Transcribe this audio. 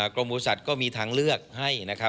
กรมบุตรสัตว์ก็มีทางเลือกให้